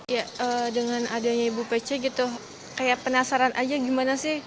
ya dengan adanya ibu pece gitu kayak penasaran aja gimana sih